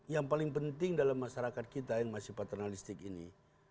yang paling penting dalam masyarakat kita yang masih paternalistik ini